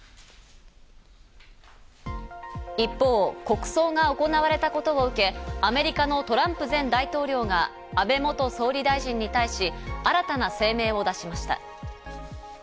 一方、国葬が行われたことを受け、アメリカのトランプ前大統領が安倍元総理大臣に対し、新たな声明を出しました。